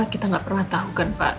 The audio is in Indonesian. kita nggak pernah tahu kan pak